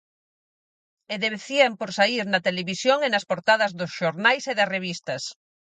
E devecían por saír na televisión e nas portadas dos xornais e das revistas.